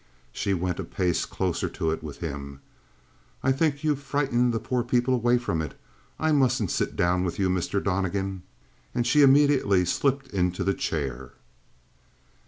She went a pace closer to it with him. "I think you've frightened the poor people away from it. I mustn't sit down with you, Mr. Donnegan." And she immediately slipped into the chair.